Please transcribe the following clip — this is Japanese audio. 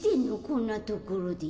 こんなところで。